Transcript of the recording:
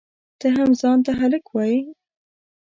ته هم ځان ته هلک وایئ؟!